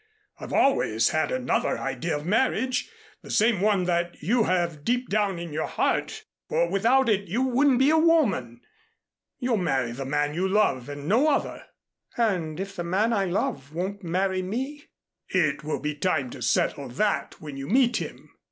I've always had another idea of marriage, the same one that you have deep down in your heart, for without it you wouldn't be a woman. You'll marry the man you love and no other." "And if the man I love won't marry me?" "It will be time to settle that when you meet him."